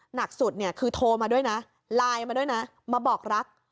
หนักสุดเนี่ยคือโทรมาด้วยนะไลน์มาด้วยนะมาบอกรัก